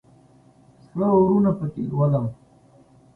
سره اورونه پکښې لولم